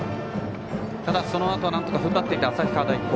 ただ、そのあとなんとか踏ん張っていた旭川大高。